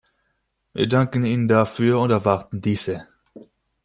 Wir danken Ihnen dafür und erwarten diese.